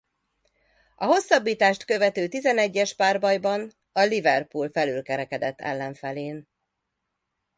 A hosszabbítást követő tizenegyespárbajban a Liverpool felülkerekedett ellenfelén.